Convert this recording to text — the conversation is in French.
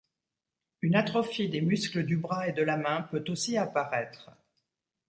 Une atrophie des muscles du bras et de la main peut aussi apparaître.